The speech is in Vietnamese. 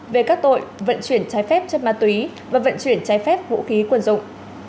về các tội vận chuyển trái phép chất ma túy và vận chuyển trái phép vũ khí quân dụng